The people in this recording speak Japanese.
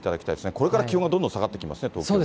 これから気温がどんどん下がってきますね、東京は。